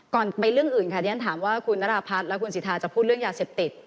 ก่อนไปเรื่องอื่นค่ะที่ฉันถามว่าคุณนราพัฒน์และคุณสิทธาจะพูดเรื่องยาเสพติด